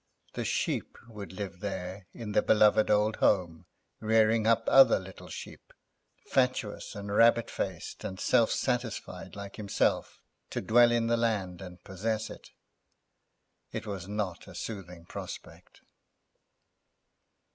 The Sheep would live there in the beloved old home, rearing up other little Sheep, fatuous and rabbit faced and self satisfied like himself, to dwell in the land and possess it. It was not a soothing prospect.